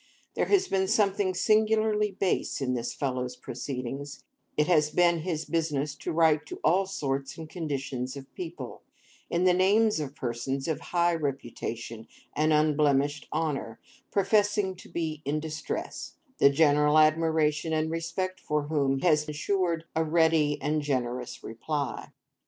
There has been something singularly base in this fellow's proceedings; it has been his business to write to all sorts and conditions of people, in the names of persons of high reputation and unblemished honour, professing to be in distress—the general admiration and respect for whom has ensured a ready and generous reply.